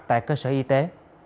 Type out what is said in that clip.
tại cơ sở y tế